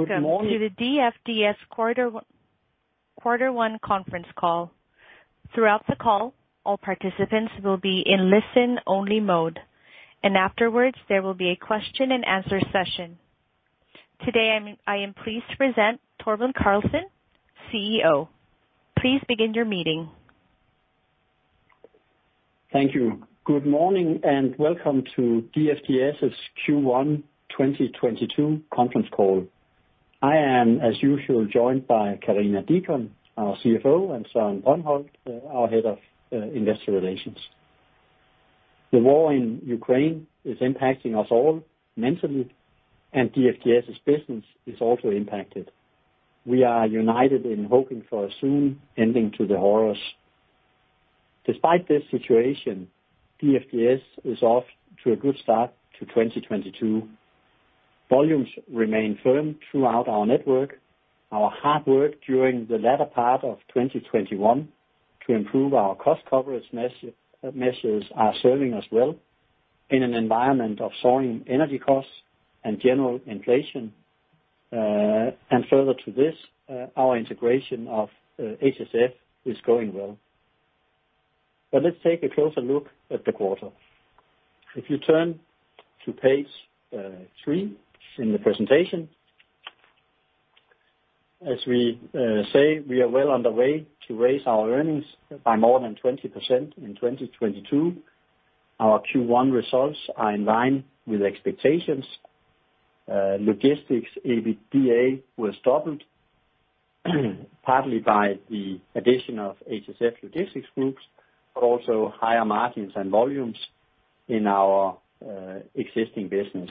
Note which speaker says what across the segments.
Speaker 1: Welcome to the DFDS quarter one conference call. Throughout the call, all participants will be in listen-only mode, and afterwards there will be a question and answer session. Today, I am pleased to present Torben Carlsen, CEO. Please begin your meeting.
Speaker 2: Thank you. Good morning, and welcome to DFDS's Q1 2022 conference call. I am, as usual, joined by Karina Deacon, our CFO, and Søren Brøndholt Nielsen, our head of investor relations. The war in Ukraine is impacting us all mentally, and DFDS's business is also impacted. We are united in hoping for a soon ending to the horrors. Despite this situation, DFDS is off to a good start to 2022. Volumes remain firm throughout our network. Our hard work during the latter part of 2021 to improve our cost coverage measures are serving us well in an environment of soaring energy costs and general inflation. Further to this, our integration of HSF is going well. Let's take a closer look at the quarter. If you turn to page three in the presentation. As we say, we are well on the way to raise our earnings by more than 20% in 2022. Our Q1 results are in line with expectations. Logistics EBITDA was doubled partly by the addition of HSF Logistics Group, but also higher margins and volumes in our existing business.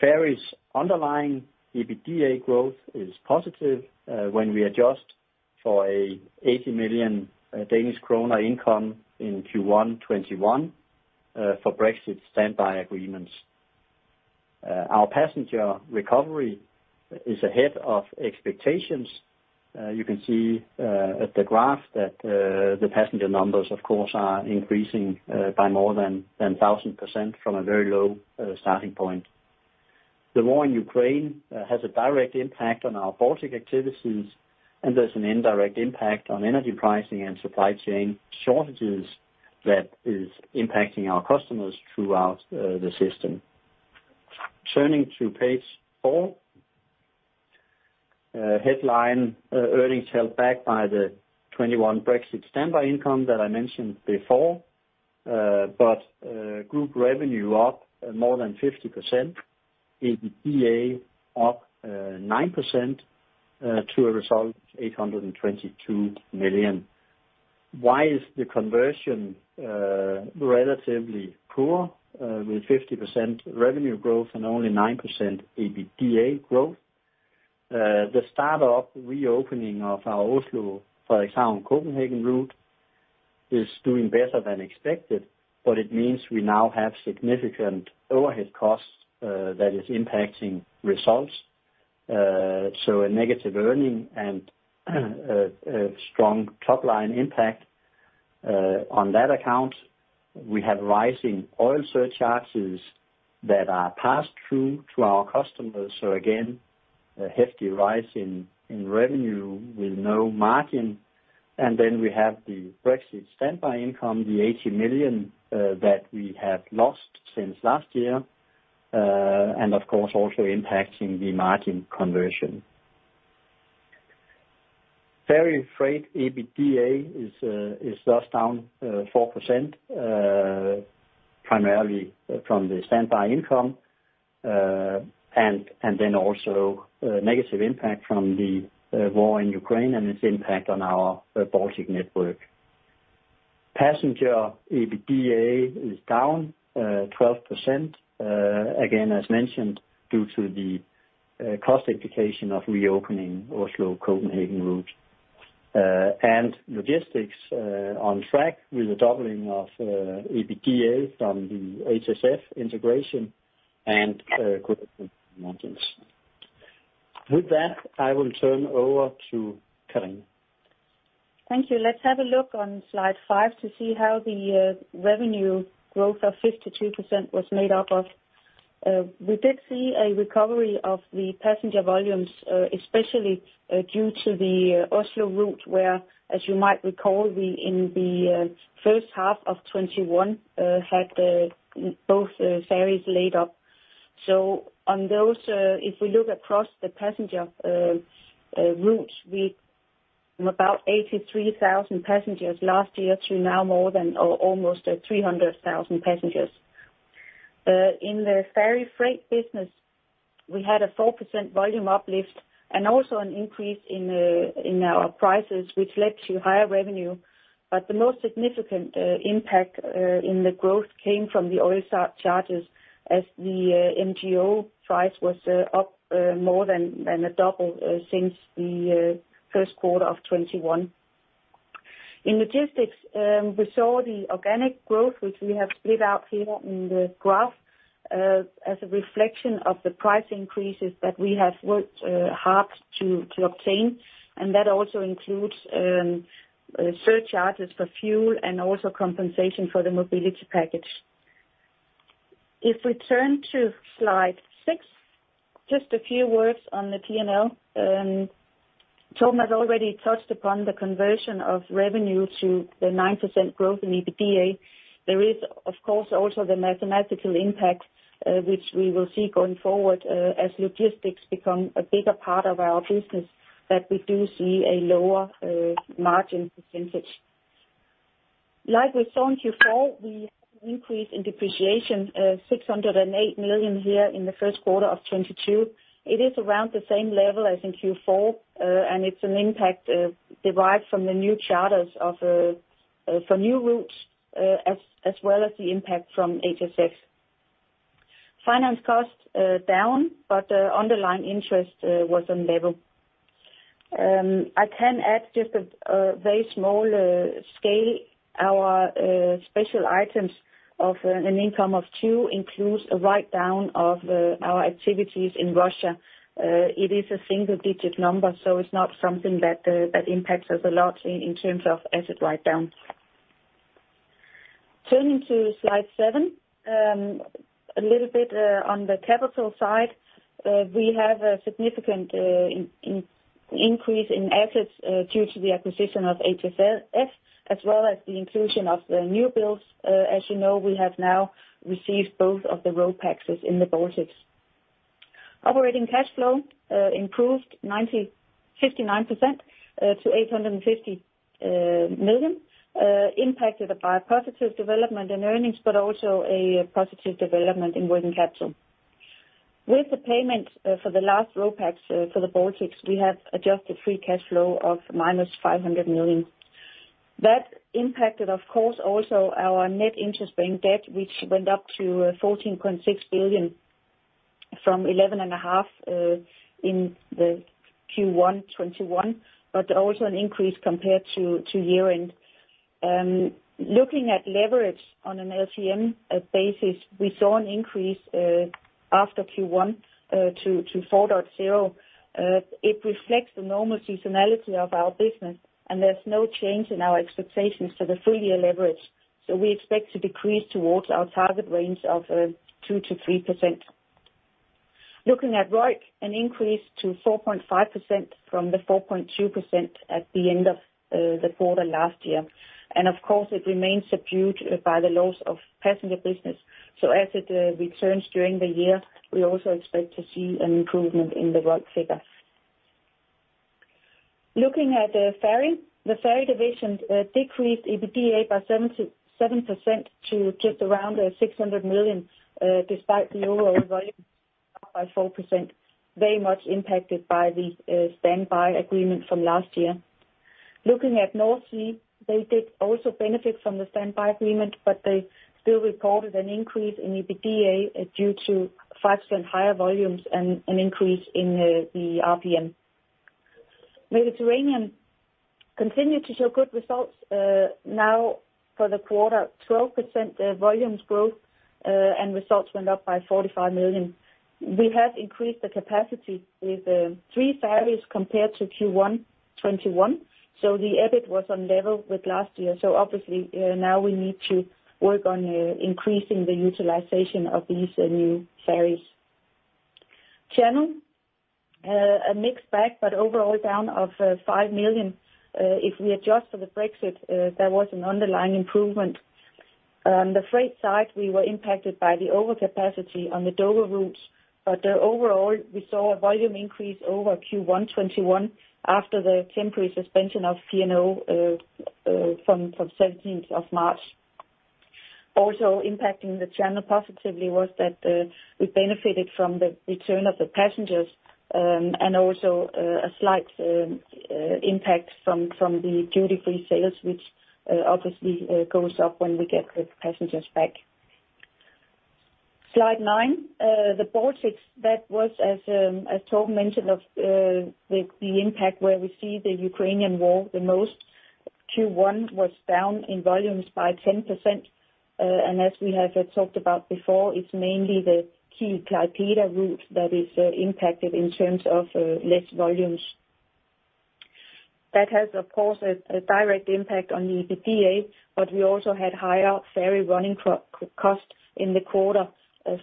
Speaker 2: Ferries underlying EBITDA growth is positive, when we adjust for a 80 million Danish kroner income in Q1 2021 for Brexit standby agreements. Our passenger recovery is ahead of expectations. You can see at the graph that the passenger numbers, of course, are increasing by more than 10,000% from a very low starting point. The war in Ukraine has a direct impact on our Baltic activities, and there's an indirect impact on energy pricing and supply chain shortages that is impacting our customers throughout the system. Turning to page four. Headline earnings held back by the 2021 Brexit standby income that I mentioned before. Group revenue up more than 50%. EBITDA up 9% to a result 822 million. Why is the conversion relatively poor with 50% revenue growth and only 9% EBITDA growth? The start of reopening of our Oslo, Frederikshavn-Copenhagen route is doing better than expected, but it means we now have significant overhead costs that is impacting results. A negative earning and a strong top-line impact on that account. We have rising bunker surcharges that are passed through to our customers, so again, a hefty rise in revenue with no margin. Then we have the Brexit standby income, the 80 million that we have lost since last year, and of course also impacting the margin conversion. Ferry freight EBITDA is just down 4%, primarily from the standby income and then also negative impact from the war in Ukraine and its impact on our Baltic network. Passenger EBITDA is down 12%. Again, as mentioned, due to the cost implication of reopening Oslo-Copenhagen route. Logistics on track with a doubling of EBITDA from the HSF integration and good margins. With that, I will turn over to Karina.
Speaker 3: Thank you. Let's have a look on slide five to see how the revenue growth of 52% was made up of. We did see a recovery of the passenger volumes, especially due to the Oslo route, where, as you might recall, we in the first half of 2021 had both ferries laid up. On those, if we look across the passenger routes, we about 83,000 passengers last year to now more than or almost 300,000 passengers. In the ferry freight business, we had a 4% volume uplift and also an increase in our prices, which led to higher revenue. The most significant impact in the growth came from the oil surcharges, as the MGO price was up more than double since the first quarter of 2021. In logistics, we saw the organic growth, which we have split out here in the graph, as a reflection of the price increases that we have worked hard to obtain. That also includes surcharges for fuel and also compensation for the Mobility Package. If we turn to slide six, just a few words on the P&L. Torben Carlsen has already touched upon the conversion of revenue to the 9% growth in EBITDA. There is, of course, also the mathematical impact, which we will see going forward, as logistics become a bigger part of our business, that we do see a lower margin percentage. Like we saw in Q4, an increase in depreciation 608 million here in the first quarter of 2022. It is around the same level as in Q4, and it's an impact derived from the new charters for new routes as well as the impact from HSF. Finance costs down, but underlying interest was on level. I can add just a very small scale. Our special items of an income of 2 million includes a write-down of our activities in Russia. It is a single-digit number, so it's not something that impacts us a lot in terms of asset write-down. Turning to slide 7, a little bit on the capital side. We have a significant increase in assets due to the acquisition of HSF, as well as the inclusion of the new builds. As you know, we have now received both of the RoPaxes in the Baltics. Operating cash flow improved 59% to 850 million, impacted by a positive development in earnings, but also a positive development in working capital. With the payment for the last RoPax for the Baltics, we have adjusted free cash flow of minus 500 million. That impacted, of course, also our net interest-bearing debt, which went up to 14.6 billion from 11.5 billion in the Q1 2021, but also an increase compared to year-end. Looking at leverage on an LTM basis, we saw an increase after Q1 to 4.0. It reflects the normal seasonality of our business, and there's no change in our expectations for the full year leverage. We expect to decrease towards our target range of 2%-3%. Looking at ROIC, an increase to 4.5% from the 4.2% at the end of the quarter last year. Of course, it remains subdued by the loss of passenger business. As it returns during the year, we also expect to see an improvement in the ROIC figure. Looking at ferry. The ferry division decreased EBITDA by 77% to just around 600 million, despite lower volumes by 4%, very much impacted by the standby agreement from last year. Looking at North Sea, they did also benefit from the standby agreement, but they still reported an increase in EBITDA due to 5% higher volumes and an increase in the RPM. Mediterranean continued to show good results now for the quarter, 12% volumes growth, and results went up by 45 million. We have increased the capacity with 3 ferries compared to Q1 2021, so the EBIT was on level with last year. Obviously, now we need to work on increasing the utilization of these new ferries. Channel, a mixed bag, but overall down by 5 million. If we adjust for the Brexit, there was an underlying improvement. On the freight side, we were impacted by the overcapacity on the Dover routes, but overall, we saw a volume increase over Q1 2021 after the temporary suspension of P&O from seventeenth of March. Also impacting the channel positively was that, we benefited from the return of the passengers, and also, a slight impact from the duty-free sales, which, obviously, goes up when we get the passengers back. Slide 9, the Baltics. That was, as Torben Carlsen mentioned, the impact where we see the Ukrainian war the most. Q1 was down in volumes by 10%, and as we have talked about before, it's mainly the key Klaipeda route that is impacted in terms of less volumes. That has, of course, a direct impact on the EBITDA, but we also had higher ferry running costs in the quarter,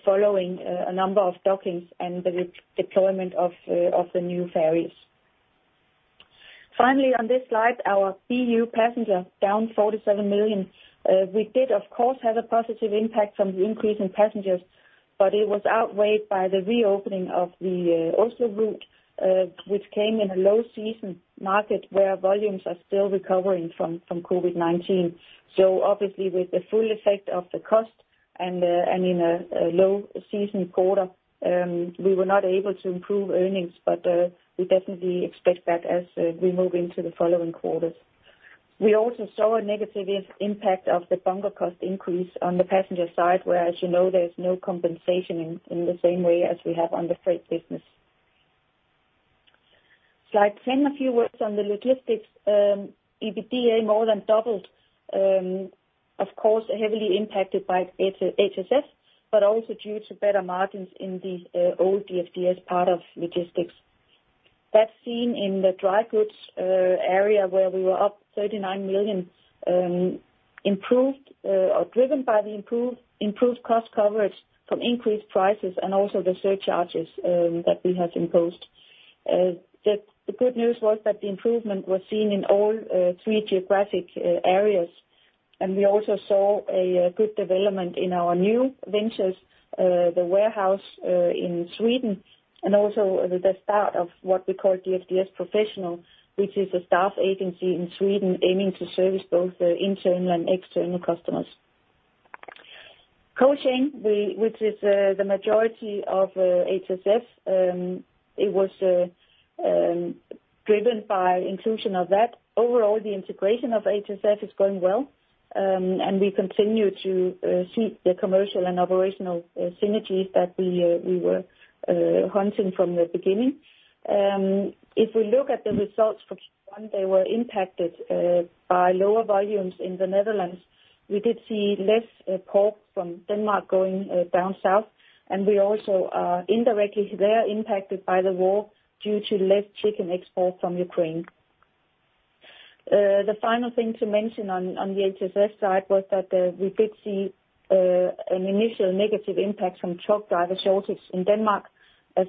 Speaker 3: following a number of dockings and the deployment of the new ferries. Finally, on this slide, our EU passengers down 47 million. We did, of course, have a positive impact from the increase in passengers, but it was outweighed by the reopening of the Oslo route, which came in a low season market where volumes are still recovering from COVID-19. Obviously, with the full effect of the cost and in a low season quarter, we were not able to improve earnings. We definitely expect that as we move into the following quarters. We also saw a negative impact of the bunker cost increase on the passenger side, where, as you know, there's no compensation in the same way as we have on the freight business. Slide 10, a few words on the logistics. EBITDA more than doubled. Of course, heavily impacted by HSF, but also due to better margins in the old DFDS part of logistics. That's seen in the dry goods area where we were up 39 million, improved or driven by the improved cost coverage from increased prices and also the surcharges that we had imposed. The good news was that the improvement was seen in all three geographic areas, and we also saw a good development in our new ventures, the warehouse in Sweden, and also the start of what we call DFDS Professionals, which is a staff agency in Sweden aiming to service both internal and external customers. Cold chain, which is the majority of HSF, it was driven by inclusion of that. Overall, the integration of HSF is going well, and we continue to seek the commercial and operational synergies that we were hunting from the beginning. If we look at the results for Q1, they were impacted by lower volumes in the Netherlands. We did see less pork from Denmark going down south, and we also are indirectly there impacted by the war due to less chicken export from Ukraine. The final thing to mention on the HSF side was that we did see an initial negative impact from truck driver shortage in Denmark, as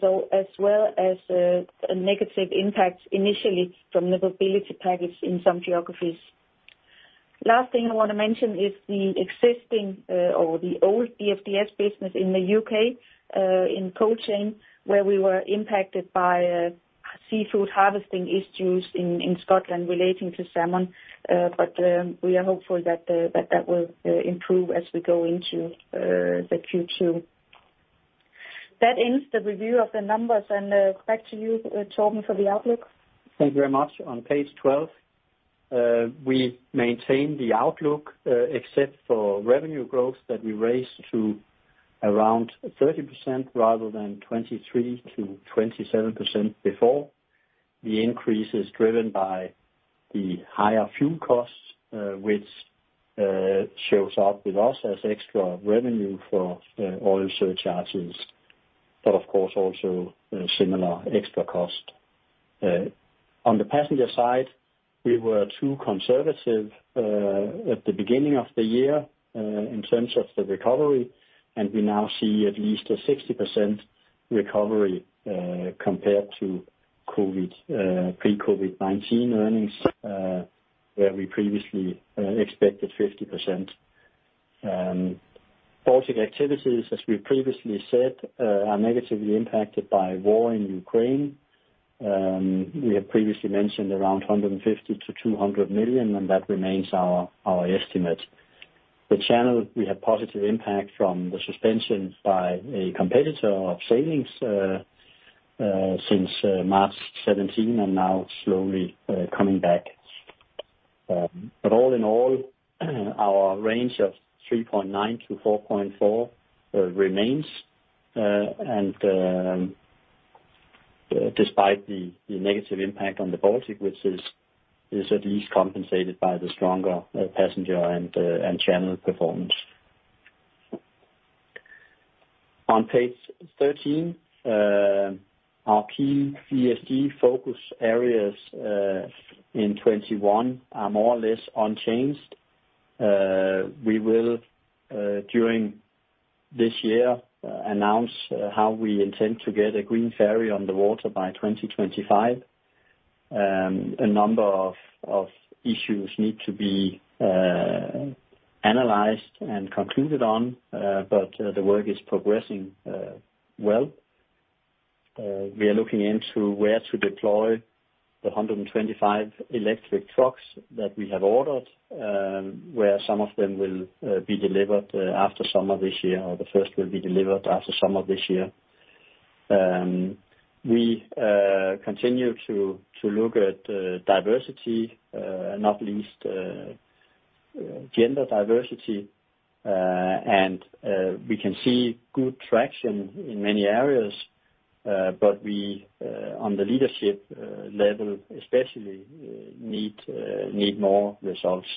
Speaker 3: well as a negative impact initially from the Mobility Package in some geographies. Last thing I wanna mention is the existing or the old DFDS business in the U.K. in Cold Chain, where we were impacted by seafood harvesting issues in Scotland relating to salmon. We are hopeful that that will improve as we go into the Q2. That ends the review of the numbers, and back to you, Torben, for the outlook.
Speaker 2: Thank you very much. On page 12, we maintain the outlook, except for revenue growth that we raised to around 30% rather than 23%-27% before. The increase is driven by the higher fuel costs, which shows up with us as extra revenue for bunker surcharges, but of course also a similar extra cost. On the passenger side, we were too conservative at the beginning of the year in terms of the recovery, and we now see at least a 60% recovery compared to pre-COVID-19 earnings, where we previously expected 50%. Baltic activities, as we previously said, are negatively impacted by war in Ukraine. We have previously mentioned around 150 million-200 million, and that remains our estimate. The channel, we have positive impact from the suspension by a competitor of sailings since March 17, and now slowly coming back. All in all, our range of 3.9-4.4 remains and despite the negative impact on the Baltic, which is at least compensated by the stronger passenger and channel performance. On page 13, our key ESG focus areas in 2021 are more or less unchanged. We will during this year announce how we intend to get a green ferry on the water by 2025. A number of issues need to be analyzed and concluded on, but the work is progressing well. We are looking into where to deploy the 125 electric trucks that we have ordered, where some of them will be delivered after summer this year, or the first will be delivered after summer this year. We continue to look at diversity, not least gender diversity. We can see good traction in many areas, but we on the leadership level especially need more results.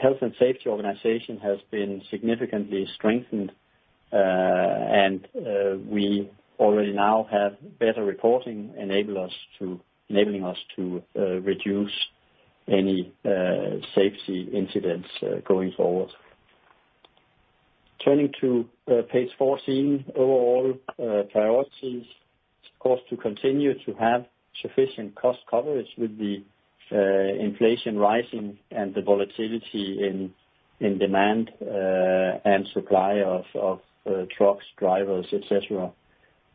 Speaker 2: Health and safety organization has been significantly strengthened, and we already now have better reporting enabling us to reduce any safety incidents going forward. Turning to page 14. Overall, priorities, of course, to continue to have sufficient cost coverage with the inflation rising and the volatility in demand and supply of trucks, drivers, et cetera.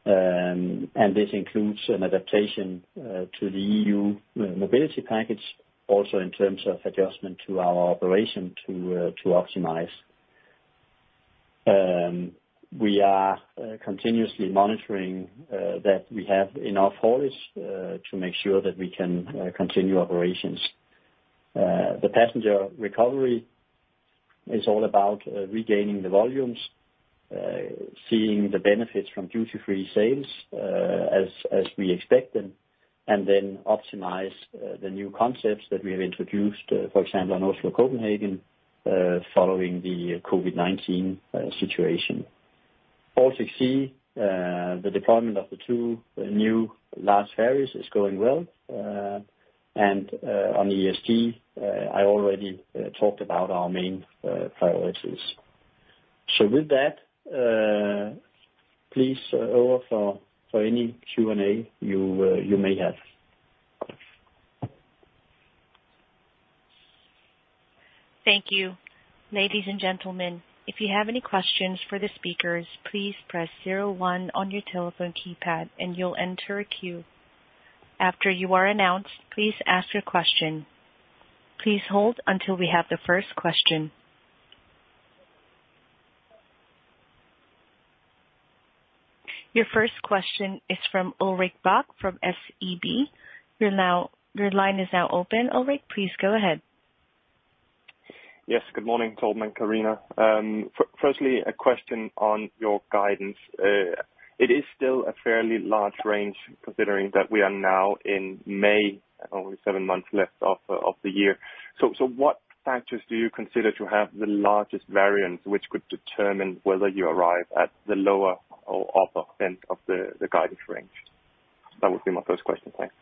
Speaker 2: This includes an adaptation to the EU Mobility Package also in terms of adjustment to our operation to optimize. We are continuously monitoring that we have enough haulage to make sure that we can continue operations. The passenger recovery is all about regaining the volumes, seeing the benefits from duty-free sales as we expect them. Optimize the new concepts that we have introduced, for example, on Oslo, Copenhagen, following the COVID-19 situation. Also see the deployment of the two new large ferries is going well. On ESG, I already talked about our main priorities. With that, please open for any Q&A you may have.
Speaker 1: Thank you. Ladies and gentlemen, if you have any questions for the speakers, please press zero one on your telephone keypad and you'll enter a queue. After you are announced, please ask your question. Please hold until we have the first question. Your first question is from Ulrik Bak from SEB. Your line is now open. Ulrik, please go aheadp
Speaker 4: Yes, good morning, Torben and Karina. Firstly, a question on your guidance. It is still a fairly large range considering that we are now in May, only seven months left of the year. So what factors do you consider to have the largest variance, which could determine whether you arrive at the lower or upper end of the guidance range? That would be my first question. Thanks.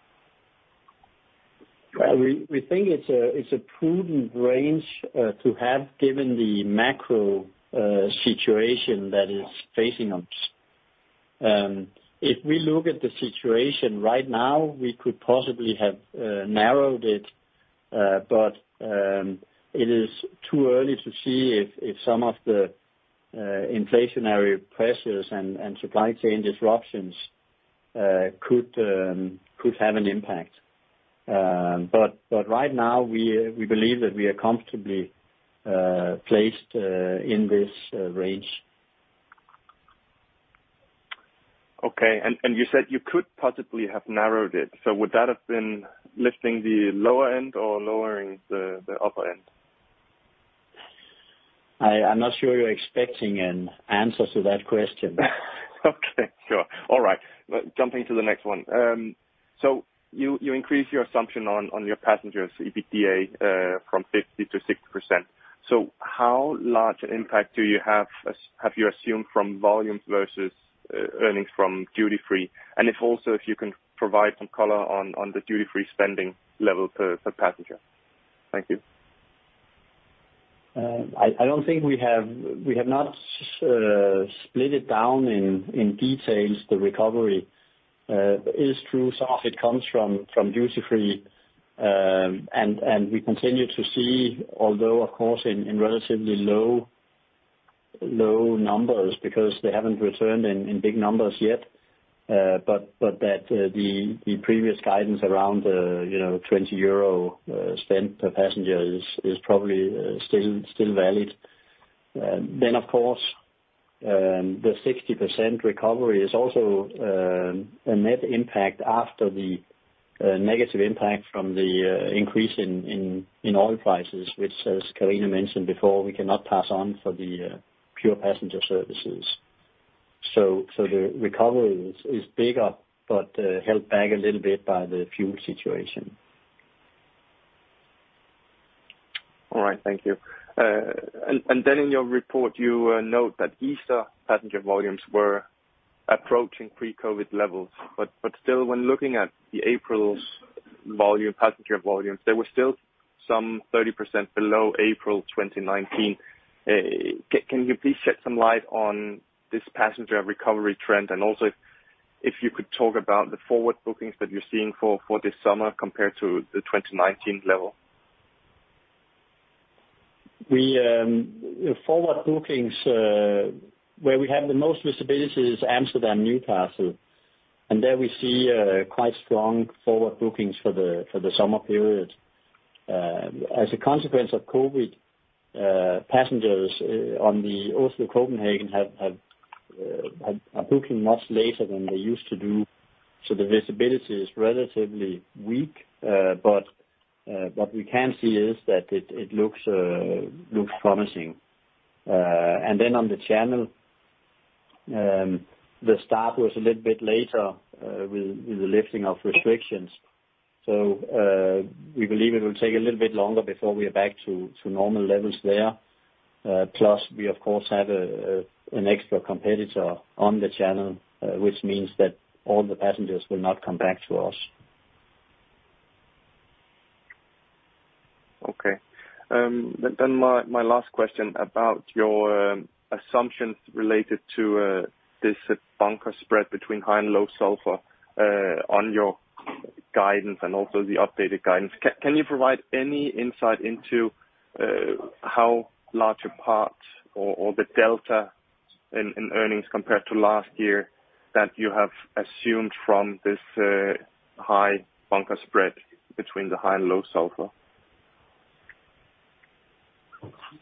Speaker 2: We think it's a prudent range to have given the macro situation that is facing us. If we look at the situation right now, we could possibly have narrowed it, but it is too early to see if some of the inflationary pressures and supply chain disruptions could have an impact. Right now we believe that we are comfortably placed in this range. Okay. You said you could possibly have narrowed it. Would that have been lifting the lower end or lowering the upper end? I'm not sure you're expecting an answer to that question.
Speaker 4: Okay, sure. All right. Jumping to the next one. You increase your assumption on your passengers EBITDA from 50%-60%. How large an impact have you assumed from volumes versus earnings from duty-free? And if you can provide some color on the duty-free spending level per passenger. Thank you.
Speaker 2: We have not split it down in details, the recovery. It is true, some of it comes from duty-free, and we continue to see, although of course in relatively low numbers because they haven't returned in big numbers yet, but that the previous guidance around, you know, 20 euro spent per passenger is probably still valid. Of course, the 60% recovery is also a net impact after the negative impact from the increase in oil prices, which as Karina mentioned before, we cannot pass on for the pure passenger services. The recovery is bigger, but held back a little bit by the fuel situation.
Speaker 4: All right, thank you. And then in your report you note that Easter passenger volumes were approaching pre-COVID levels, but still when looking at the April's volume, passenger volumes, they were still some 30% below April 2019. Can you please shed some light on this passenger recovery trend? Also if you could talk about the forward bookings that you're seeing for this summer compared to the 2019 level.
Speaker 2: Forward bookings where we have the most visibility is Amsterdam, Newcastle, and there we see quite strong forward bookings for the summer period. As a consequence of COVID, passengers on the Oslo, Copenhagen are booking much later than they used to do, so the visibility is relatively weak. What we can see is that it looks promising. On the channel, the start was a little bit later with the lifting of restrictions. We believe it will take a little bit longer before we are back to normal levels there. Plus we of course have an extra competitor on the channel, which means that all the passengers will not come back to us.
Speaker 4: Okay. My last question about your assumptions related to this bunker spread between high and low sulfur on your guidance and also the updated guidance. Can you provide any insight into how large a part or the delta in earnings compared to last year that you have assumed from this high bunker spread between the high and low sulfur?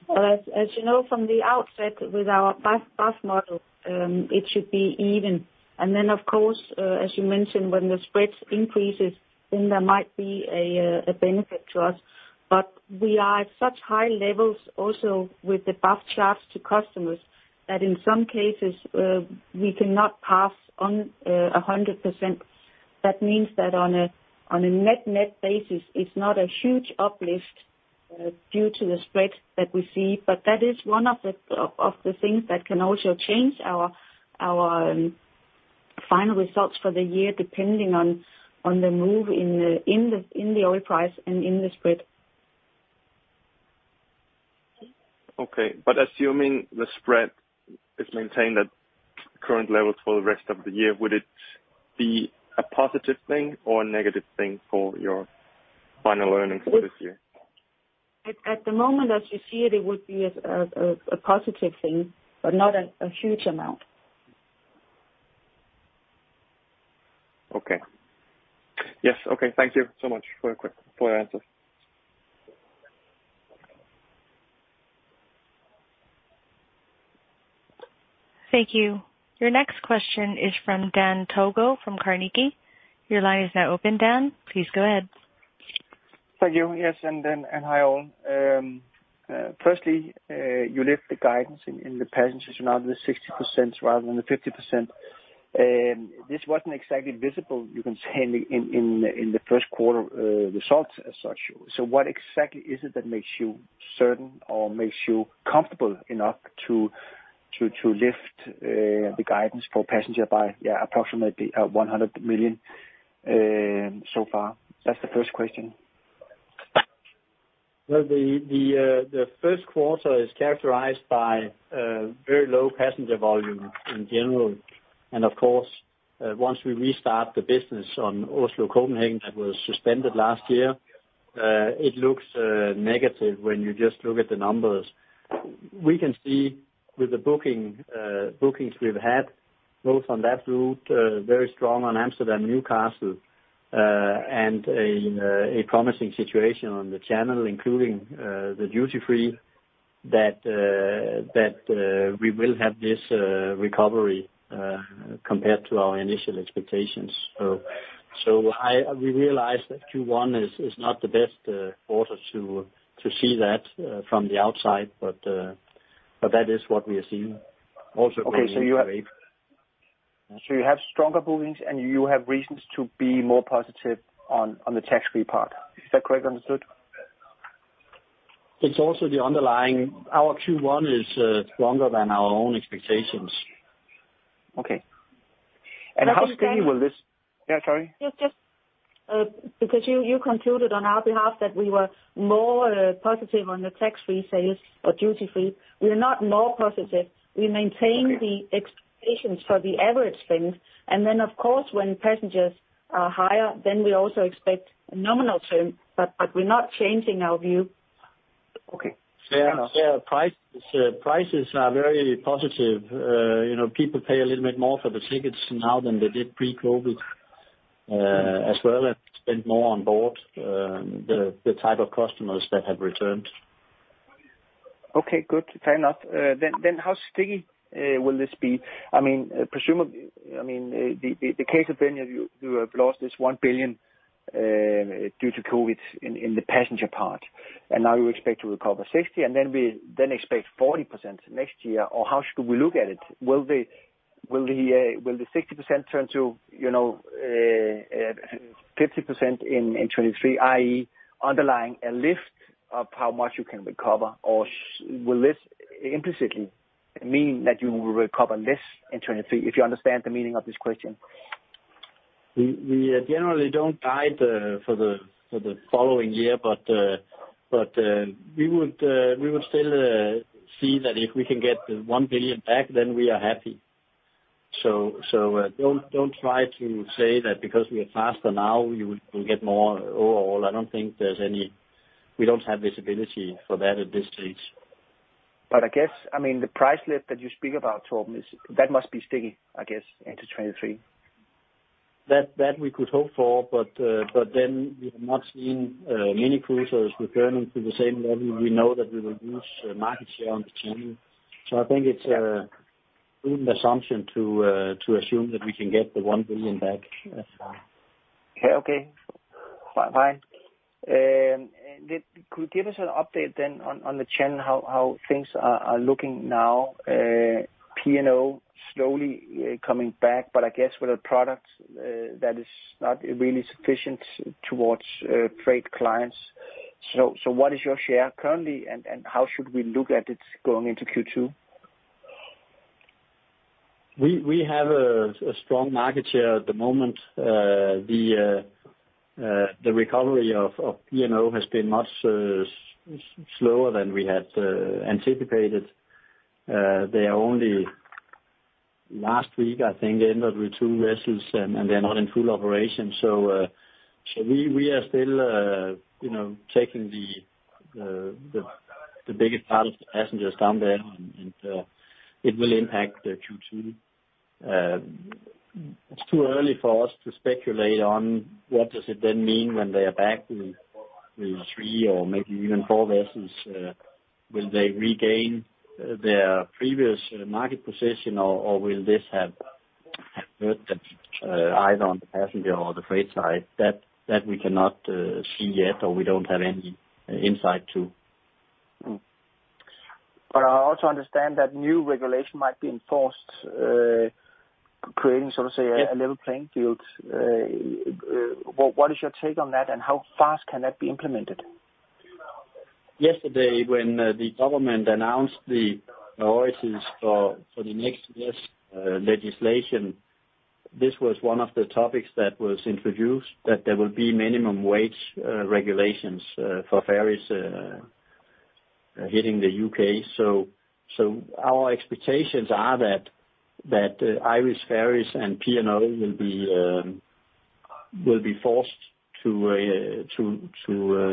Speaker 3: Well, as you know, from the outset, with our base model, it should be even. Then of course, as you mentioned, when the spreads increases, there might be a benefit to us. We are at such high levels also with the bunker surcharges to customers that in some cases, we cannot pass on 100%. That means that on a net-net basis, it's not a huge uplift due to the spread that we see. That is one of the things that can also change our final results for the year, depending on the move in the oil price and in the spread.
Speaker 4: Okay. Assuming the spread is maintained at current levels for the rest of the year, would it be a positive thing or a negative thing for your final earnings for this year?
Speaker 3: At the moment, as you see it would be a positive thing, but not a huge amount.
Speaker 4: Okay. Yes. Okay. Thank you so much for your answer.
Speaker 1: Thank you. Your next question is from Dan Togo from Carnegie. Your line is now open, Dan. Please go ahead.
Speaker 5: Thank you. Yes. Hi, all. Firstly, you left the guidance in the passenger to now the 60% rather than the 50%. This wasn't exactly visible, you can say, in the first quarter results as such. What exactly is it that makes you certain or makes you comfortable enough to lift the guidance for passenger by approximately 100 million so far? That's the first question.
Speaker 2: The first quarter is characterized by very low passenger volume in general. Of course, once we restart the business on Oslo-Copenhagen that was suspended last year, it looks negative when you just look at the numbers. We can see with the bookings we've had, both on that route, very strong on Amsterdam, Newcastle, and a promising situation on the channel, including the duty-free that we will have this recovery compared to our initial expectations. We realize that Q1 is not the best quarter to see that from the outside. That is what we are seeing also.
Speaker 5: Okay.
Speaker 2: going into Q8.
Speaker 5: You have stronger bookings, and you have reasons to be more positive on the tax-free part. Is that correctly understood?
Speaker 2: It's also the underlying. Our Q1 is stronger than our own expectations.
Speaker 5: Okay. How steady will this-
Speaker 3: Dr. Dan?
Speaker 5: Yeah, sorry.
Speaker 3: Just because you concluded on our behalf that we were more positive on the tax-free sales or duty-free. We are not more positive.
Speaker 5: Okay.
Speaker 3: We maintain the expectations for the average things. Then, of course, when passengers are higher, then we also expect a nominal term. We're not changing our view.
Speaker 5: Okay. Fair enough.
Speaker 2: Yeah. Prices are very positive. You know, people pay a little bit more for the tickets now than they did pre-COVID, as well, and spend more on board, the type of customers that have returned.
Speaker 5: Okay. Good. Fair enough. How sticky will this be? I mean, presumably, I mean, the case of when you have lost this 1 billion due to COVID-19 in the passenger part, and now you expect to recover 60%, and then we expect 40% next year, or how should we look at it? Will the 60% turn to, you know, 50% in 2023, i.e., underlying a lift of how much you can recover? Will this implicitly mean that you will recover less in 2023? If you understand the meaning of this question.
Speaker 2: We generally don't guide for the following year, but we would still see that if we can get the 1 billion back, then we are happy. Don't try to say that because we are faster now, you will get more overall. We don't have visibility for that at this stage.
Speaker 5: I guess, I mean, the price lift that you speak about, Torben, is, that must be sticky, I guess, into 2023.
Speaker 2: That we could hope for, but then we have not seen mini cruisers returning to the same level. We know that we will lose market share on the channel. I think it's a good assumption to assume that we can get 1 billion back as well.
Speaker 5: Okay. Bye. Could you give us an update then on the channel, how things are looking now? P&O slowly coming back, but I guess with a product that is not really sufficient towards trade clients. What is your share currently, and how should we look at it going into Q2?
Speaker 2: We have a strong market share at the moment. The recovery of P&O has been much slower than we had anticipated. They are only last week I think they ended with two vessels and they're not in full operation. We are still you know taking the biggest part of the passengers down there and it will impact the Q2. It's too early for us to speculate on what does it then mean when they are back. With three or maybe even four vessels, will they regain their previous market position or will this have hurt them either on the passenger or the freight side? That we cannot see yet, or we don't have any insight to.
Speaker 5: I also understand that new regulation might be enforced, creating, so to say.
Speaker 2: Yeah.
Speaker 5: a level playing field. What is your take on that, and how fast can that be implemented?
Speaker 2: Yesterday, when the government announced the priorities for the next year's legislation, this was one of the topics that was introduced, that there will be minimum wage regulations for ferries hitting the UK. Our expectations are that Irish Ferries and P&O will be forced to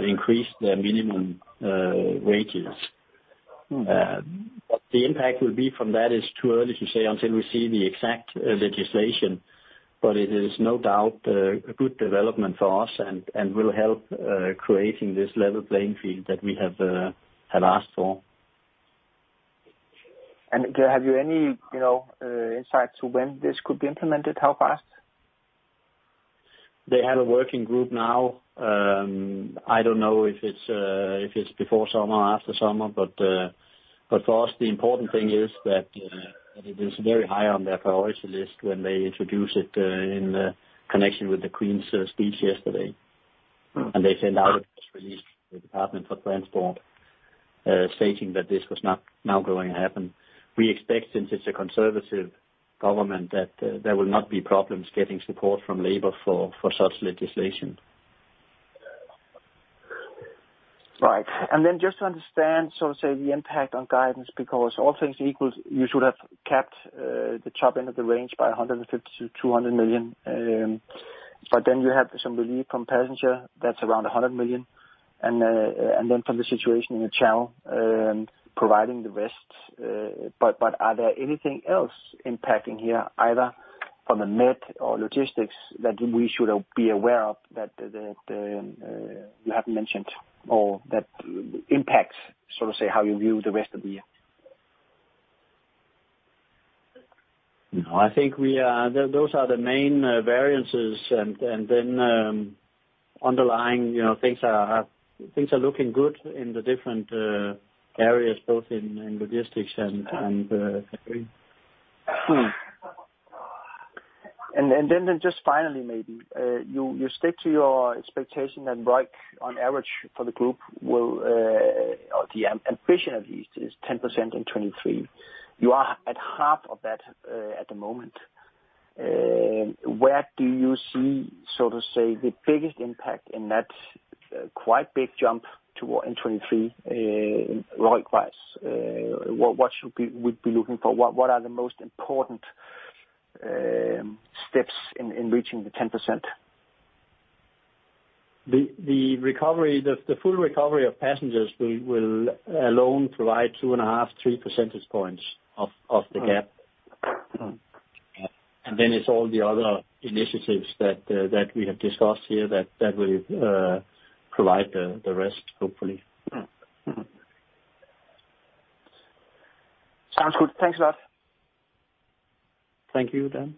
Speaker 2: increase their minimum wages.
Speaker 5: Mm.
Speaker 2: What the impact will be from that is too early to say until we see the exact legislation. It is no doubt a good development for us and will help creating this level playing field that we have asked for.
Speaker 5: Do you have any, you know, insight into when this could be implemented? How fast?
Speaker 2: They have a working group now. I don't know if it's before summer or after summer. For us, the important thing is that it is very high on their priority list when they introduce it in connection with the Queen's Speech yesterday.
Speaker 5: Mm.
Speaker 2: They sent out a press release, the Department for Transport, stating that this was now going to happen. We expect, since it's a Conservative government, that there will not be problems getting support from Labour for such legislation.
Speaker 5: Right. Just to understand, so to say, the impact on guidance, because all things equal, you should have capped the top end of the range by 150-200 million. You have some relief from passenger that's around 100 million, and then from the situation in the channel providing the rest. Are there anything else impacting here, either from the net or logistics that we should be aware of that you haven't mentioned or that impacts, so to say, how you view the rest of the year?
Speaker 2: No, I think those are the main variances. Underlying, you know, things are looking good in the different areas, both in logistics and freight.
Speaker 5: Just finally maybe, you stick to your expectation that ROIC, on average for the group, will or the ambition at least is 10% in 2023. You are at half of that at the moment. Where do you see, so to say, the biggest impact in that quite big jump to in 2023, ROIC-wise? What should we be looking for? What are the most important steps in reaching the 10%?
Speaker 2: The full recovery of passengers will alone provide 2.5-3 percentage points of the gap.
Speaker 5: Mm-hmm.
Speaker 2: It's all the other initiatives that we have discussed here that will provide the rest, hopefully.
Speaker 5: Mm-hmm. Sounds good. Thanks a lot.
Speaker 2: Thank you, Dan.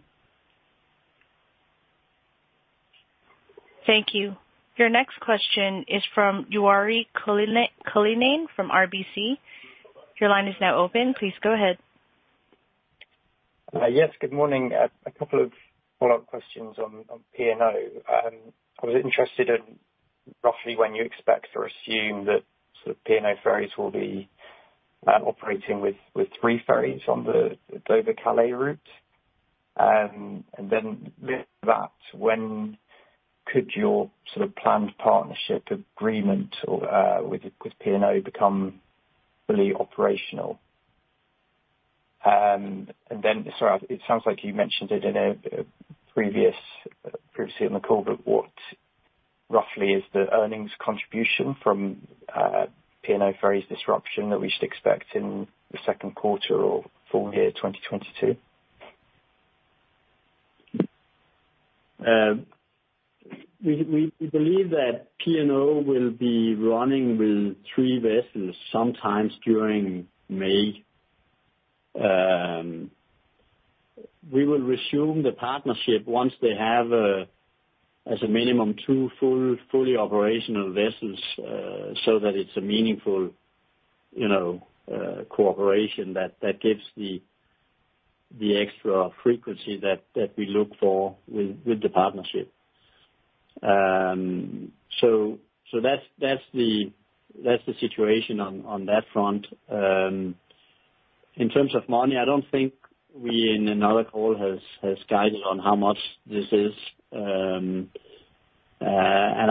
Speaker 1: Thank you. Your next question is from Ruairi Cullinane from RBC. Your line is now open. Please go ahead.
Speaker 6: Yes, good morning. A couple of follow-up questions on P&O. I was interested in roughly when you expect or assume that sort of P&O Ferries will be operating with three ferries on the Dover-Calais route. With that, when could your sort of planned partnership agreement or with P&O become fully operational? It sounds like you mentioned it previously on the call, but what roughly is the earnings contribution from P&O Ferries disruption that we should expect in the second quarter or full year 2022?
Speaker 2: We believe that P&O will be running with three vessels sometimes during May. We will resume the partnership once they have, as a minimum, two fully operational vessels, so that it's a meaningful, you know, cooperation that gives the extra frequency that we look for with the partnership. That's the situation on that front. In terms of money, I don't think we, in another call, have guided on how much this is.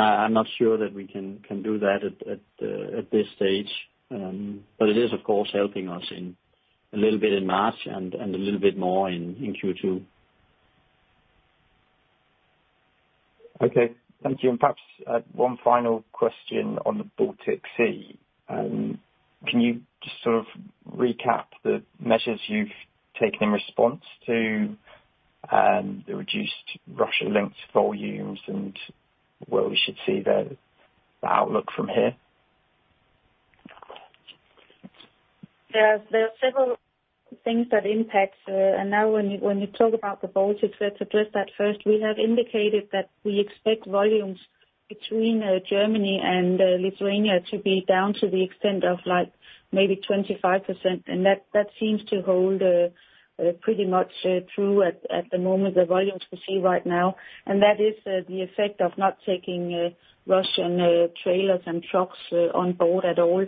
Speaker 2: I'm not sure that we can do that at this stage. It is, of course, helping us a little bit in March and a little bit more in Q2.
Speaker 6: Okay. Thank you. Perhaps one final question on the Baltic Sea. Can you just sort of recap the measures you've taken in response to the reduced Russia-linked volumes and where we should see the outlook from here?
Speaker 3: There are several things that impact, and now when you talk about the volumes, let's address that first. We have indicated that we expect volumes between Germany and Lithuania to be down to the extent of like maybe 25%. That seems to hold pretty much true at the moment, the volumes we see right now. That is the effect of not taking Russian trailers and trucks on board at all.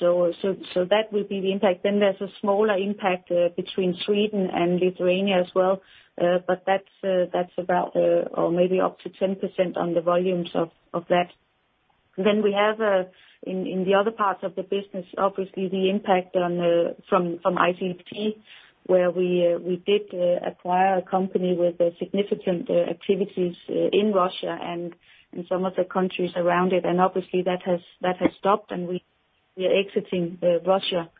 Speaker 3: That will be the impact. There's a smaller impact between Sweden and Lithuania as well. That's about or maybe up to 10% on the volumes of that. We have in the other parts of the business obviously the impact from ICT, where we did acquire a company with significant activities in Russia and in some of the countries around it. Obviously that has stopped and we are exiting Russia.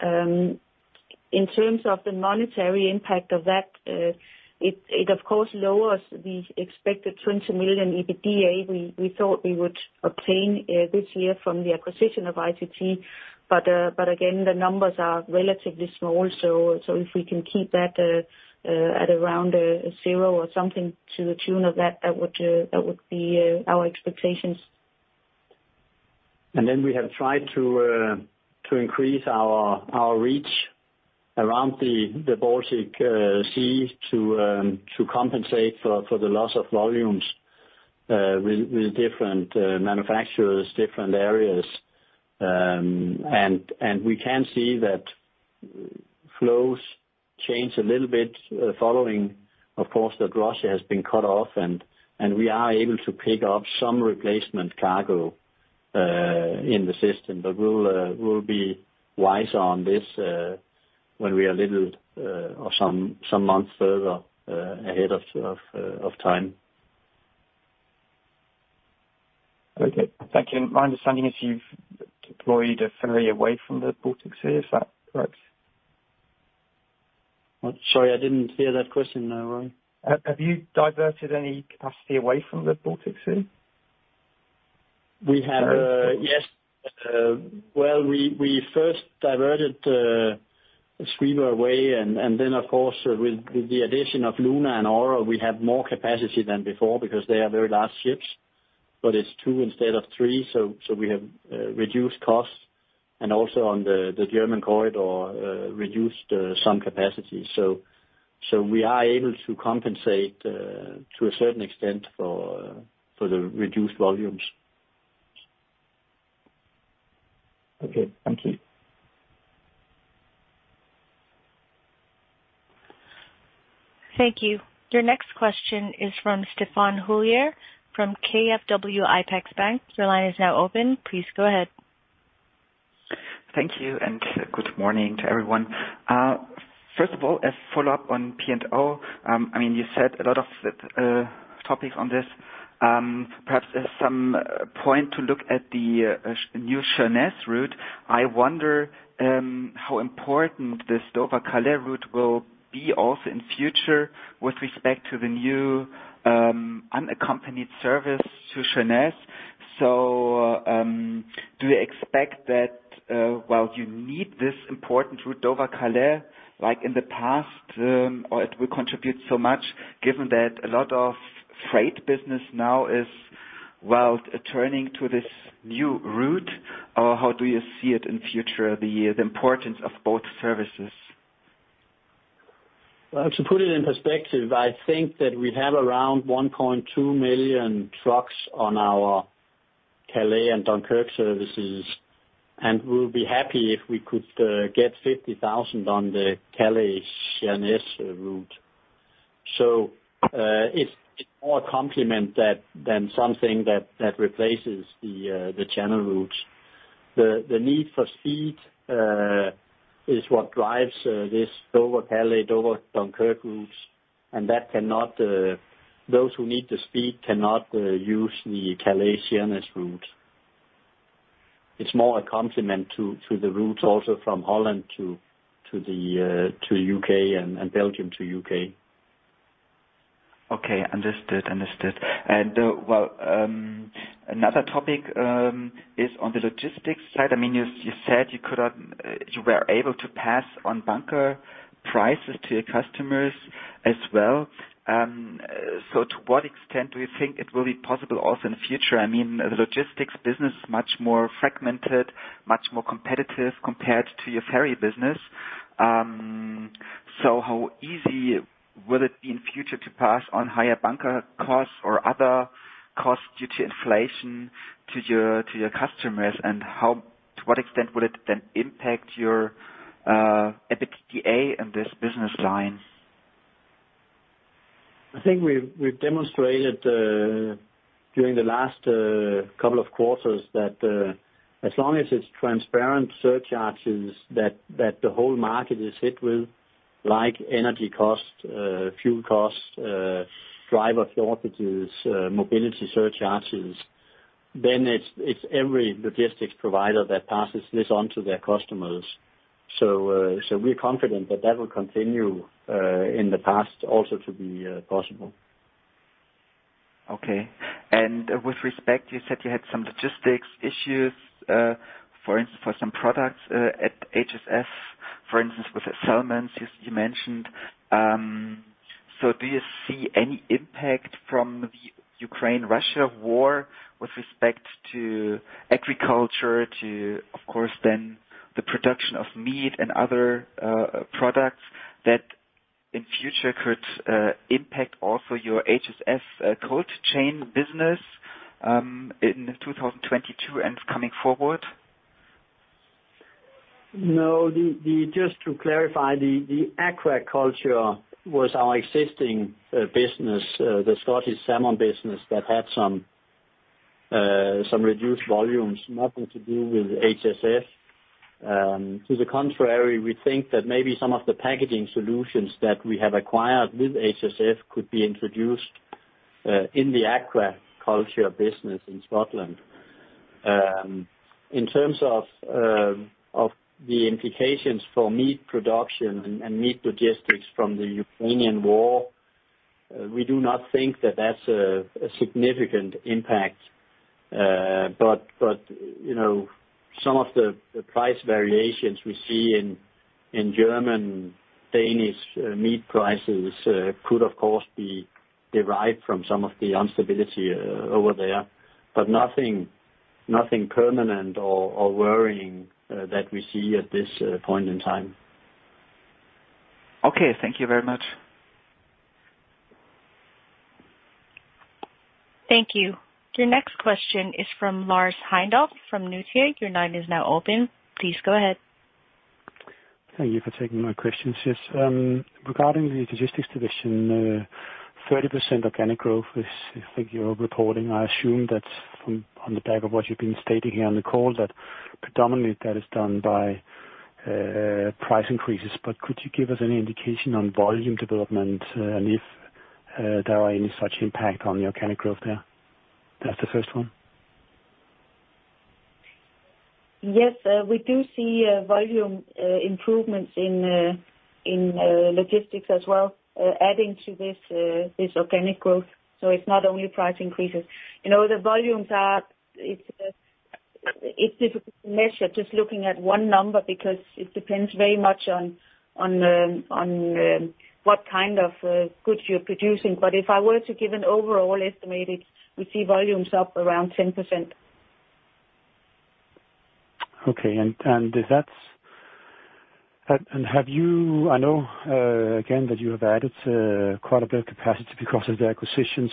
Speaker 3: In terms of the monetary impact of that, it of course lowers the expected 20 million EBITDA we thought we would obtain this year from the acquisition of ICT. But again, the numbers are relatively small. If we can keep that at around zero or something to the tune of that would be our expectations.
Speaker 2: We have tried to increase our reach around the Baltic Sea to compensate for the loss of volumes with different manufacturers, different areas. We can see that flows change a little bit, following, of course, that Russia has been cut off and we are able to pick up some replacement cargo in the system. We'll be wiser on this when we are a little or some months further ahead of time.
Speaker 6: Okay. Thank you. My understanding is you've deployed a ferry away from the Baltic Sea. Is that correct?
Speaker 2: I'm sorry, I didn't hear that question now, Ruairi Cullinane.
Speaker 6: Have you diverted any capacity away from the Baltic Sea?
Speaker 2: We first diverted a steamer away and then of course with the addition of Luna and Aura, we have more capacity than before because they are very large ships, but it's two instead of three, so we have reduced costs and also on the German corridor, reduced some capacity. We are able to compensate to a certain extent for the reduced volumes.
Speaker 6: Okay. Thank you.
Speaker 1: Thank you. Your next question is from Stefan Houllier from KfW IPEX-Bank. Your line is now open. Please go ahead.
Speaker 7: Thank you and good morning to everyone. First of all, a follow-up on P&O. I mean, you said a lot of topics on this. Perhaps there's some point to look at the new Sheerness route. I wonder how important this Dover-Calais route will be also in future with respect to the new unaccompanied service to Sheerness. Do you expect that while you need this important route, Dover-Calais, like in the past, or it will contribute so much given that a lot of freight business now is turning to this new route? Or how do you see it in future, the importance of both services?
Speaker 2: To put it in perspective, I think that we have around 1.2 million trucks on our Calais and Dunkirk services, and we'll be happy if we could get 50,000 on the Calais-Sheerness route. It's more a complement than something that replaces the channel routes. The need for speed is what drives this Dover-Calais, Dover-Dunkirk routes. Those who need the speed cannot use the Calais-Sheerness route. It's more a complement to the routes also from Holland to the UK and Belgium to UK.
Speaker 7: Okay. Understood. Well, another topic is on the logistics side. I mean, you said you were able to pass on bunker prices to your customers as well. To what extent do you think it will be possible also in the future? I mean, the logistics business is much more fragmented, much more competitive compared to your ferry business. How easy will it be in future to pass on higher bunker costs or other costs due to inflation to your customers? To what extent will it then impact your EBITDA in this business line?
Speaker 2: I think we've demonstrated during the last couple of quarters that as long as it's transparent surcharges that the whole market is hit with, like energy costs, fuel costs, driver shortages, mobility surcharges. It's every logistics provider that passes this on to their customers. We're confident that that will continue in the past also to be possible.
Speaker 7: Okay. With respect, you said you had some logistics issues, for instance, for some products, at HSF, for instance, with the salmons you mentioned. Do you see any impact from the Ukraine-Russia war with respect to agriculture, to, of course, then the production of meat and other products that in future could impact also your HSF cold chain business, in 2022 and coming forward?
Speaker 2: No. Just to clarify, the aquaculture was our existing business, the Scottish salmon business that had some reduced volumes, nothing to do with HSF. To the contrary, we think that maybe some of the packaging solutions that we have acquired with HSF could be introduced in the aquaculture business in Scotland. In terms of the implications for meat production and meat logistics from the Ukrainian war, we do not think that that's a significant impact. But you know, some of the price variations we see in German, Danish meat prices could, of course, be derived from some of the instability over there. But nothing permanent or worrying that we see at this point in time.
Speaker 7: Okay. Thank you very much.
Speaker 1: Thank you. Your next question is from Lars Heindorff from Nordea. Your line is now open. Please go ahead.
Speaker 8: Thank you for taking my questions, yes. Regarding the logistics division, 30% organic growth is the figure you're reporting. I assume that's on the back of what you've been stating here on the call that predominantly that is done by price increases. Could you give us any indication on volume development, and if there are any such impact on the organic growth there? That's the first one.
Speaker 3: Yes, we do see volume improvements in logistics as well, adding to this organic growth. It's not only price increases. You know, the volumes are. It's difficult to measure just looking at one number because it depends very much on what kind of goods you're producing. If I were to give an overall estimate, we see volumes up around 10%.
Speaker 8: I know, again, that you have added quite a bit of capacity because of the acquisitions.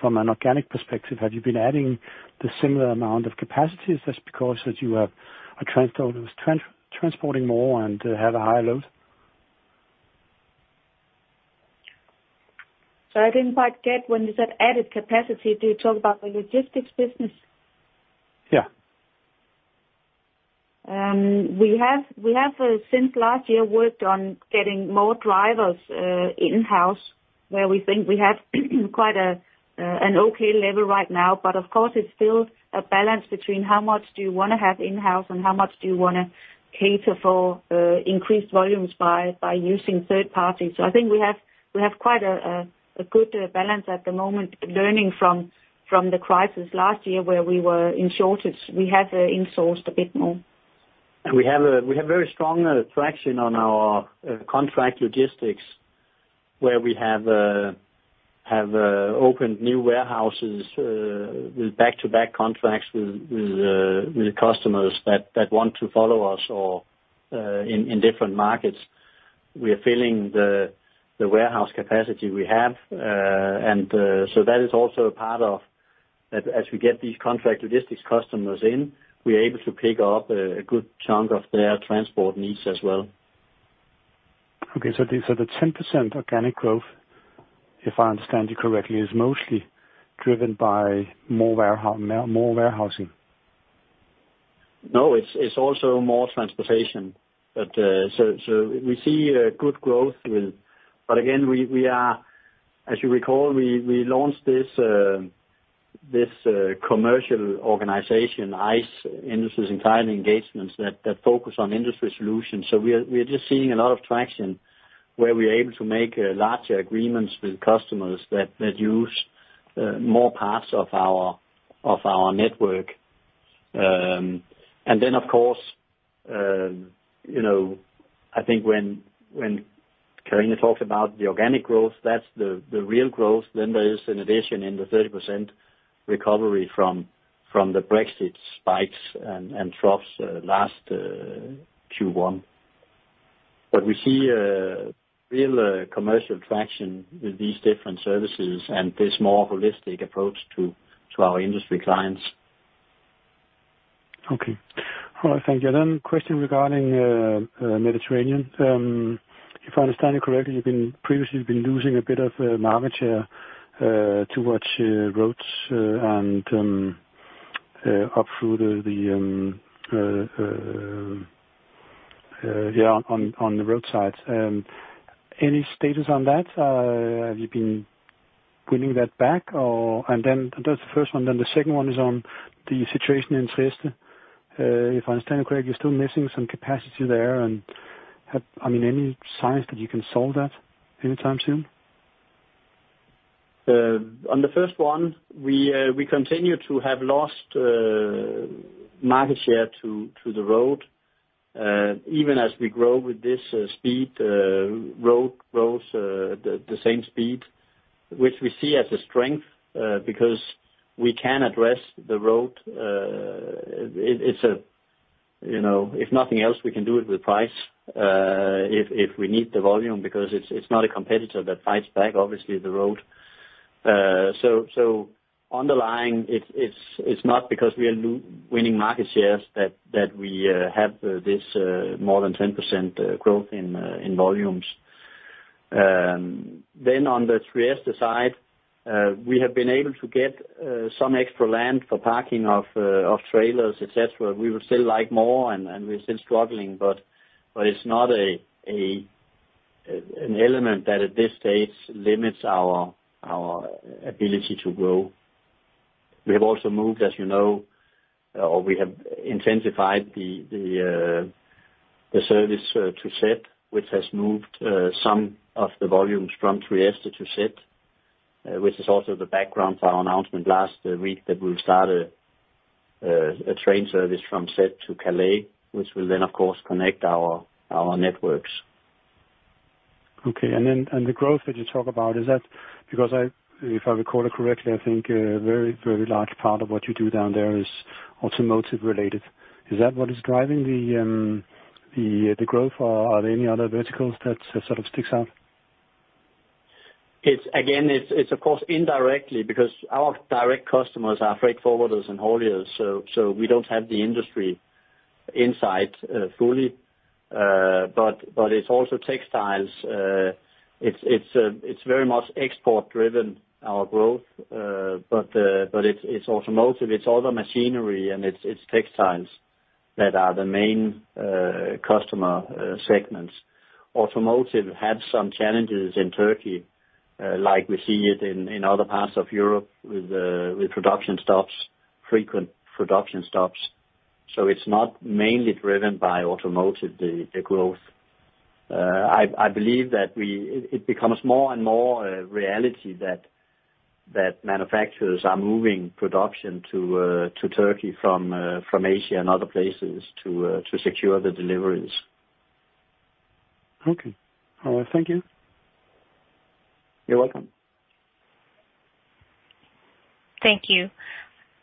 Speaker 8: From an organic perspective, have you been adding a similar amount of capacities just because, as you are transporting more and have a higher load?
Speaker 3: Sorry, I didn't quite get what you said added capacity. Do you talk about the logistics business?
Speaker 8: Yeah.
Speaker 3: We have since last year worked on getting more drivers in-house, where we think we have quite an okay level right now. Of course, it's still a balance between how much do you wanna have in-house and how much do you wanna cater for increased volumes by using third parties. I think we have quite a good balance at the moment, learning from the crisis last year where we were in shortage. We have insourced a bit more.
Speaker 2: We have very strong traction on our contract logistics, where we have opened new warehouses with back-to-back contracts with customers that want to follow us or in different markets. We are filling the warehouse capacity we have. That is also a part of. As we get these contract logistics customers in, we're able to pick up a good chunk of their transport needs as well.
Speaker 8: Okay. The 10% organic growth, if I understand you correctly, is mostly driven by more warehousing?
Speaker 2: No, it's also more transportation. We see a good growth. As you recall, we launched this commercial organization, ICE, Industry & Enterprise Engagements, that focus on industry solutions. We are just seeing a lot of traction, where we're able to make larger agreements with customers that use more parts of our network. Of course, you know, I think when Karina talks about the organic growth, that's the real growth. There is an addition in the 30% recovery from the Brexit spikes and troughs last Q1. We see a real commercial traction with these different services and this more holistic approach to our industry clients.
Speaker 8: Okay. All right. Thank you. Question regarding Mediterranean. If I understand you correctly, you've been previously losing a bit of market share toward roads, and up through the Yeah, on the road side. Any status on that? Have you been winning that back or? That's the first one, then the second one is on the situation in Trieste. If I understand correct, you're still missing some capacity there. I mean, any signs that you can solve that anytime soon?
Speaker 2: On the first one, we continue to lose market share to the road. Even as we grow with this speed, road grows the same speed, which we see as a strength because we can address the road. It's a, you know, if nothing else, we can do it with price if we need the volume because it's not a competitor that fights back, obviously, the road. Underlying, it's not because we are winning market shares that we have this more than 10% growth in volumes. On the Trieste side, we have been able to get some extra land for parking of trailers, et cetera. We would still like more and we're still struggling, but it's not an element that at this stage limits our ability to grow. We have also intensified the service to Sète, which has moved some of the volumes from Trieste to Sète, which is also the background for our announcement last week that we'll start a train service from Sète to Calais, which will then of course connect our networks.
Speaker 8: Okay. The growth that you talk about is that? Because if I recall it correctly, I think a very large part of what you do down there is automotive related. Is that what is driving the growth, or are there any other verticals that sort of sticks out?
Speaker 2: It's again of course indirectly because our direct customers are freight forwarders and hauliers, so we don't have the industry insight fully. It's also textiles. It's very much export driven, our growth. It's automotive, it's other machinery, and it's textiles that are the main customer segments. Automotive had some challenges in Turkey, like we see it in other parts of Europe with production stops, frequent production stops. It's not mainly driven by automotive, the growth. It becomes more and more a reality that manufacturers are moving production to Turkey from Asia and other places to secure the deliveries.
Speaker 8: Okay. Thank you.
Speaker 2: You're welcome.
Speaker 1: Thank you.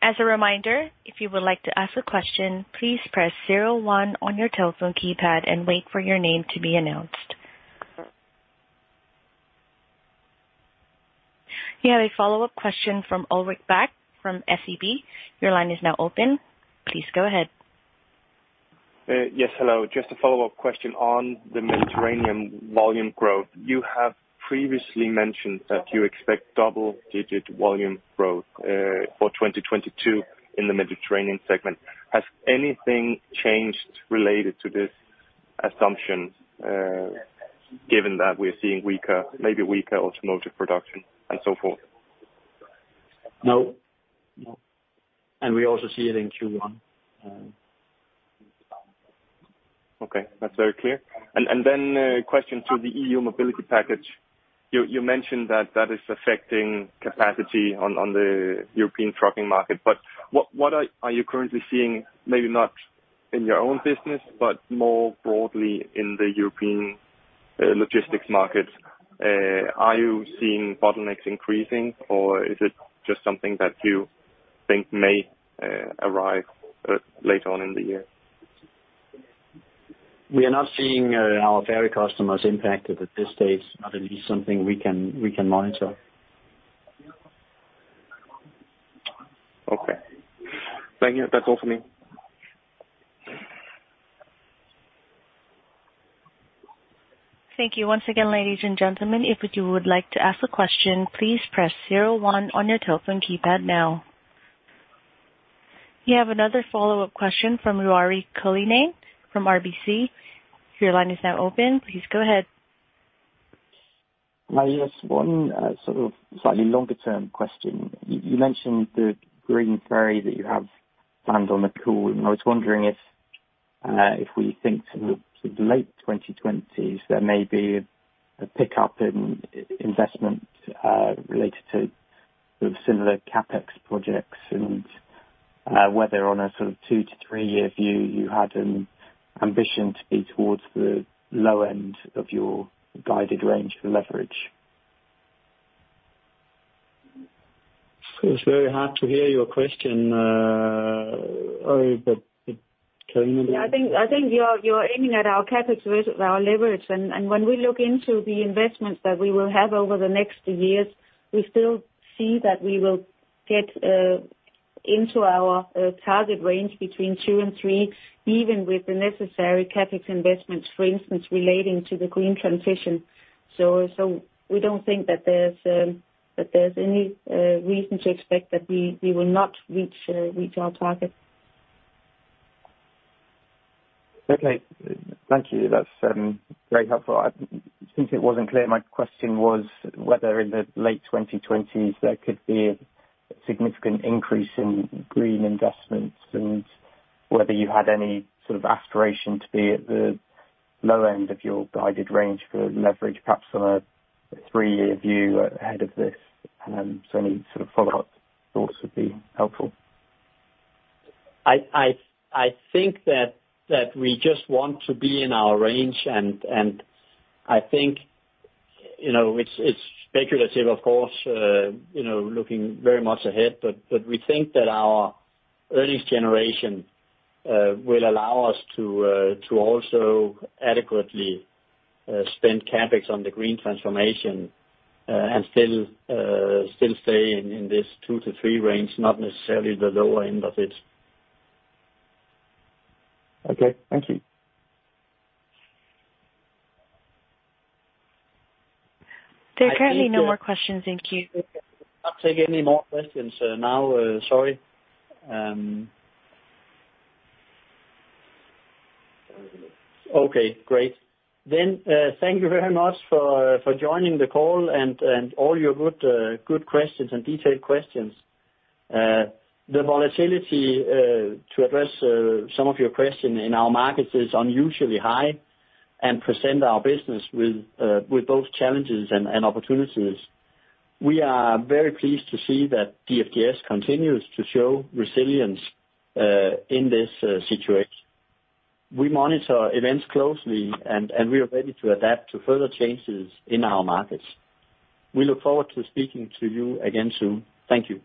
Speaker 1: As a reminder, if you would like to ask a question, please press zero one on your telephone keypad and wait for your name to be announced. We have a follow-up question from Ulrik Bak from SEB. Your line is now open. Please go ahead.
Speaker 4: Yes, hello. Just a follow-up question on the Mediterranean volume growth. You have previously mentioned that you expect double-digit volume growth for 2022 in the Mediterranean segment. Has anything changed related to this assumption, given that we're seeing weaker automotive production and so forth?
Speaker 2: No. We also see it in Q1.
Speaker 4: Okay, that's very clear. A question to the EU Mobility Package. You mentioned that is affecting capacity on the European trucking market. What are you currently seeing, maybe not in your own business, but more broadly in the European logistics market? Are you seeing bottlenecks increasing, or is it just something that you think may arrive later on in the year?
Speaker 2: We are not seeing our ferry customers impacted at this stage. It is something we can monitor.
Speaker 4: Okay. Thank you. That's all for me.
Speaker 1: Thank you once again, ladies and gentlemen. If you would like to ask a question, please press zero one on your telephone keypad now. You have another follow-up question from Ruairi Cullinane from RBC. Your line is now open. Please go ahead.
Speaker 6: Hi, just one sort of slightly longer term question. You mentioned the green ferry that you have planned on the call, and I was wondering if we think to the late 2020s, there may be a pickup in investment related to sort of similar CapEx projects and whether on a sort of 2-3-year view you had an ambition to be towards the low end of your guided range for leverage.
Speaker 2: It's very hard to hear your question, Ruairi, but Karina maybe-
Speaker 8: I think you're aiming at our CapEx versus our leverage. When we look into the investments that we will have over the next years, we still see that we will get into our target range between two and three, even with the necessary CapEx investments, for instance relating to the green transition. We don't think that there's any reason to expect that we will not reach our target.
Speaker 6: Okay. Thank you. That's very helpful. I think it wasn't clear. My question was whether in the late 2020s there could be a significant increase in green investments, and whether you had any sort of aspiration to be at the low end of your guided range for leverage, perhaps on a three-year view ahead of this. Any sort of follow-up thoughts would be helpful.
Speaker 2: I think that we just want to be in our range, and I think, you know, it's speculative, of course, you know, looking very much ahead, but we think that our earnings generation will allow us to also adequately spend CapEx on the green transformation, and still stay in this 2-3 range, not necessarily the lower end of it.
Speaker 6: Okay. Thank you.
Speaker 1: There are currently no more questions in queue.
Speaker 2: No more questions now. Sorry. Okay, great. Thank you very much for joining the call and all your good questions and detailed questions. The volatility to address some of your questions in our markets is unusually high and presents our business with both challenges and opportunities. We are very pleased to see that DFDS continues to show resilience in this situation. We monitor events closely and we are ready to adapt to further changes in our markets. We look forward to speaking to you again soon. Thank you.